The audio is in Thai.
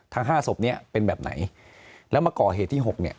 ห้าศพเนี้ยเป็นแบบไหนแล้วมาก่อเหตุที่๖เนี่ย